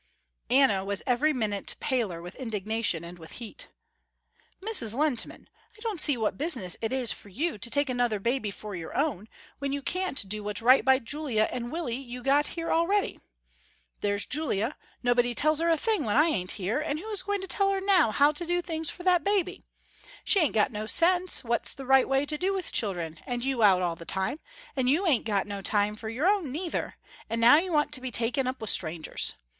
Anna was every minute paler with indignation and with heat. "Mrs. Lehntman, I don't see what business it is for you to take another baby for your own, when you can't do what's right by Julia and Willie you got here already. There's Julia, nobody tells her a thing when I ain't here, and who is going to tell her now how to do things for that baby? She ain't got no sense what's the right way to do with children, and you out all the time, and you ain't got no time for your own neither, and now you want to be takin' up with strangers.